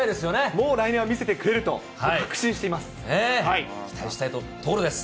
もう来年は見せてくれると確期待したいところです。